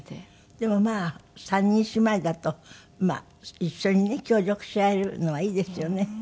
でもまあ３人姉妹だと一緒にね協力し合えるのはいいですよね。